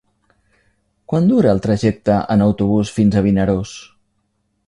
Quant dura el trajecte en autobús fins a Vinaròs?